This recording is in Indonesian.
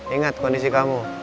ingat kondisi kamu